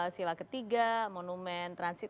sila ketiga monumen transit